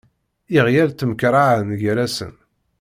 Iɣyal ttemkerraɛen gar-sen.